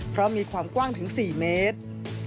เพราะมีความกว้างถึง๔เมตร